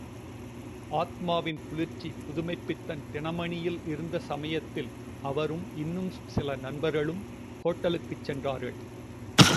ஆத்மாவின் குளிர்ச்சி புதுமைத்பித்தன் தினமணியில் இருந்த சமயத்தில் அவரும் இன்னும் சில நண்பர்களும் ஹோட்டலுக்குச் சென்றார்கள்.